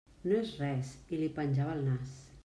No és res, i li penjava el nas.